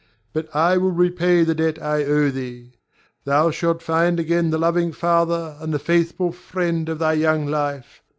But I will repay the debt I owe thee. Thou shalt find again the loving father and the faithful friend of thy young life.